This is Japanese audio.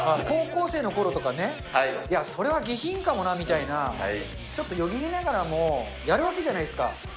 高校生のころとかね、それは下品かもなみたいな、ちょっとよぎりながらも、やるわけじゃないですか。